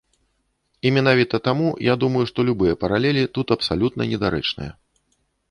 І менавіта таму я думаю, што любыя паралелі тут абсалютна недарэчныя.